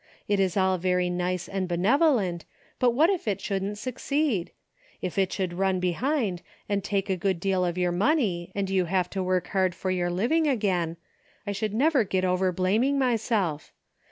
It is all very nice and benevolent, but what if it shouldn't succeed ? If it should run behind and take a good deal of your money and you have to Avork hard for your living again, I should never get over blaming myself.